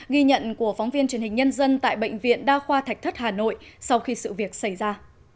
ghi nhận của phóng viên truyền hình nhân dân tại bệnh viện đa khoa thạch thất hà nội sau khi sự việc xảy ra